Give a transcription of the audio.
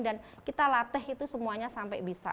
dan kita latih itu semuanya sampai bisa